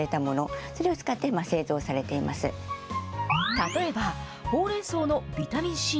例えばほうれんそうのビタミンＣ。